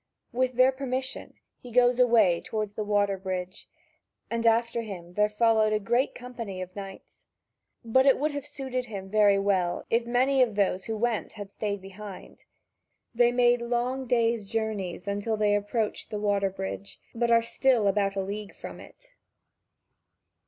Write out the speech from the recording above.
With their permission he goes away toward the water bridge, and after him there followed a great company of knights. But it would have suited him very well, if many of those who went had stayed behind. They make long days' journeys until they approach the water bridge, but are still about a league from it.